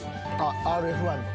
ＲＦ１の。